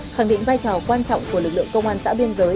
khẳng định vai trò quan trọng của lực lượng công an xã biên giới